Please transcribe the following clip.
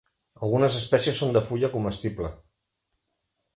Algunes espècies són de fulla comestible.